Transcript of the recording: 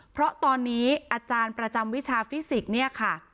เพราะตอนนี้อาจารย์ประจำวิชาฟิสิค